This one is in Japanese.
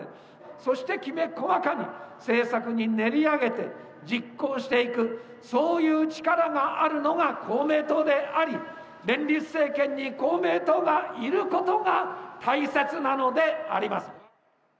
そして、きめ細かに政策に練り上げて実行していく、そういう力があるのが公明党であり、連立政権に公明党がいることが大切なのであります。